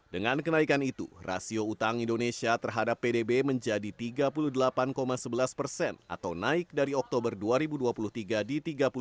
dengan kenaikan itu rasio utang indonesia terhadap pdb menjadi tiga puluh delapan sebelas persen atau naik dari oktober dua ribu dua puluh tiga di tiga puluh dua